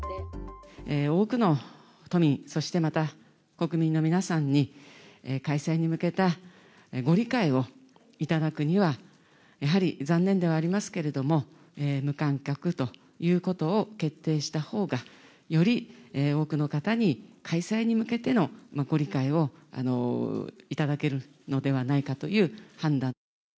多くの都民、そしてまた国民の皆さんに、開催に向けたご理解をいただくには、やはり残念ではありますけれども、無観客ということを決定したほうが、より多くの方に開催に向けてのご理解を頂けるのではないかという判断。